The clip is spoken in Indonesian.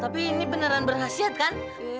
tapi ini beneran berhasil kan